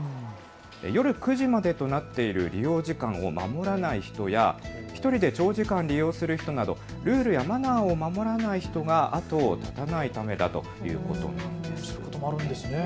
夜９時までとなっている利用時間を守らない人や１人で長時間利用する人などルールやマナーを守らない人が後を絶たないためだということです。